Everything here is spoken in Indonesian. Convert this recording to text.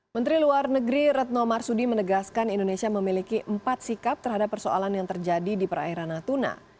menteri luar negeri retno marsudi menegaskan indonesia memiliki empat sikap terhadap persoalan yang terjadi di perairan natuna